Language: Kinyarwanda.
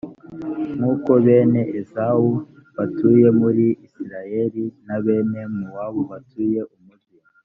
nk’uko bene ezawu batuye muri seyiri na bene mowabu batuye umugi.